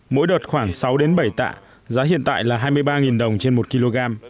mỗi đợt khoảng sáu bảy tạ giá hiện tại là hai mươi ba đồng trên một kg